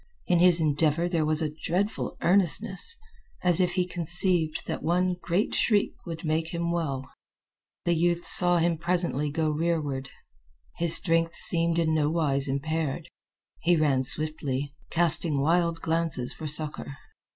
In his endeavor there was a dreadful earnestness, as if he conceived that one great shriek would make him well. The youth saw him presently go rearward. His strength seemed in nowise impaired. He ran swiftly, casting wild glances for succor.